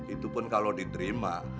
itu pun kalau diterima